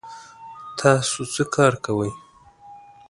تاسو څه کار کوئ؟